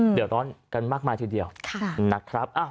เดี๋ยวร้อนกันมากมายทีเดียวนะครับ